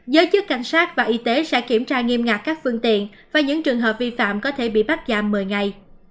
giới chức cảnh sát và y tế sẽ kiểm tra nghiêm ngặt các phương tiện và những trường hợp vi phạm có thể bị bắt giam một mươi ngày